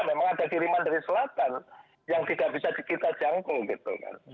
memang ada kiriman dari selatan yang tidak bisa kita jangku gitu kan